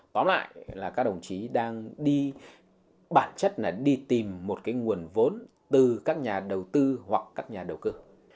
tóm lại là các đồng chí đang đi bản chất là đi tìm một cái nguồn vốn từ các nhà đầu tư hoặc các nhà đầu cơ